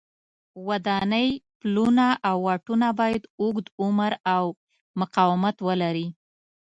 ودانۍ، پلونه او واټونه باید اوږد عمر او مقاومت ولري.